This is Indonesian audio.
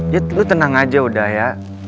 ya dulu tenang aja udah ya